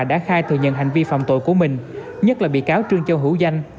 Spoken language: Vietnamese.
đã khai thừa nhận hành vi phạm tội của mình nhất là bị cáo trương châu hữu danh